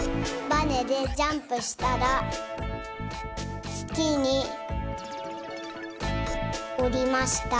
バネでジャンプしたらつきにおりました。